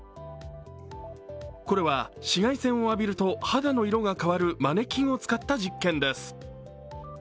これは、紫外線を浴びると肌の色が変わるマネキンを使った実験です。